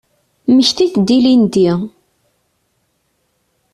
Mmektit-d ilindi.